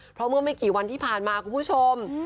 เพราะเมื่อไม่กี่วันที่ผ่านมาคุณผู้ชม